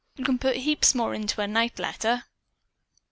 You can put heaps more into a night letter."